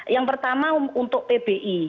yang pertama untuk pbi